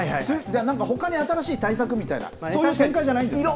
ほかに新しい対策みたいなそういう展開じゃないんですか。